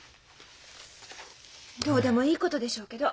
どうでもいいことでしょうけど。